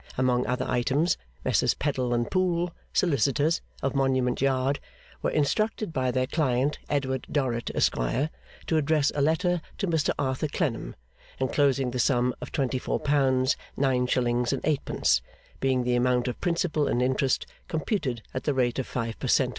Among other items, Messrs Peddle and Pool, solicitors, of Monument Yard, were instructed by their client Edward Dorrit, Esquire, to address a letter to Mr Arthur Clennam, enclosing the sum of twenty four pounds nine shillings and eightpence, being the amount of principal and interest computed at the rate of five per cent.